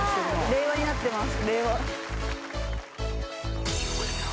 令和になってます。